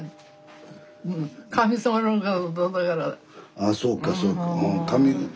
ああそうかそうか。